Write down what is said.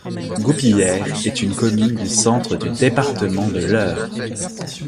Goupillières est une commune du Centre du département de l'Eure.